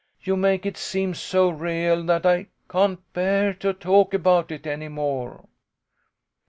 " You make it seem so real that I can't bear to talk about it any more."